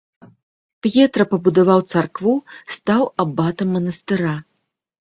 П'етра пабудаваў царкву, стаў абатам манастыра.